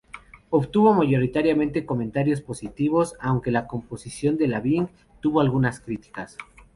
Obtuvo mayoritariamente comentarios positivos, aunque la composición de Lavigne tuvo algunas críticas.